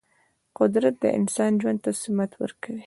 قدرت د انسان ژوند ته سمت ورکوي.